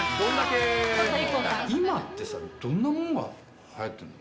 今ってさ、どんなものがはやってるの？